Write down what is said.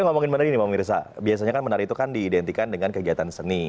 ya ngomongin pemirsa biasanya menari itu kan diidentikan dengan kegiatan seni